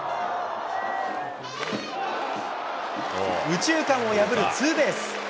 右中間を破るツーベース。